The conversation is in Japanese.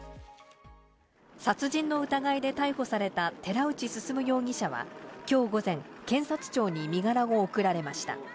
殺人の疑いで逮捕された寺内進容疑者は、きょう午前、検察庁に身柄を送られました。